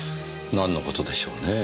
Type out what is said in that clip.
なんのことでしょうねぇ。